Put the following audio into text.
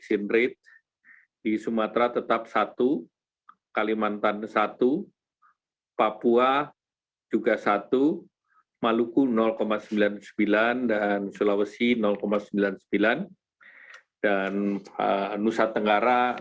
terima kasih pak adelangga